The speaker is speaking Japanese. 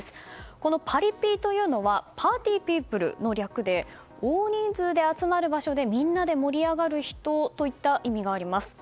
このパリピというのはパーティーピープルの略で大人数で集まる場所でみんなで盛り上がる人といった意味があります。